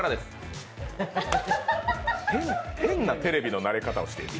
変なテレビの慣れ方をしてる。